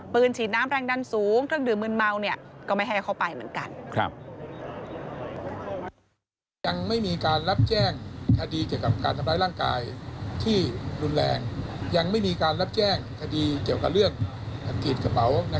ปืนฉีดน้ำแรงดันสูงเครื่องดื่มมืนเมา